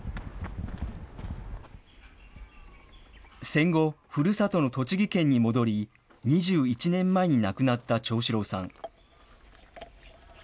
戦後、ふるさとの栃木県に戻り、２１年前に亡くなった長四郎さん。